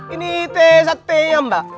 ini teh sate ya mbak